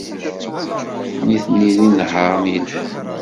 Nitni d inehhaṛen yelhan.